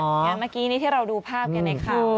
เหมือนเมื่อกี้ที่เราดูภาพกันในข่าว